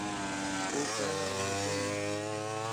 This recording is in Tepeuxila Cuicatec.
Ú ká naobe nutbëe.